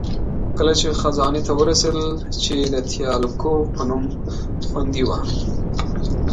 کله چې خزانې ته ورسېدل، چې د تیالکو په نوم خوندي وه.